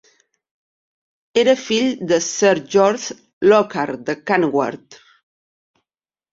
Era fill de Sir George Lockhart de Carnwath.